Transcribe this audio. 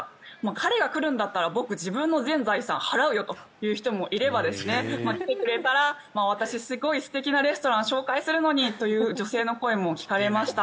彼が来るんだったら僕、自分の全財産を払うよという方もいれば来てくれたら私、すごい素敵なレストランを紹介するのにという女性の声も聞かれました。